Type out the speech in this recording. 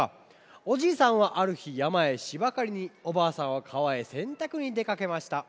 おじいさんはあるひやまへしばかりにおばあさんはかわへせんたくにでかけました。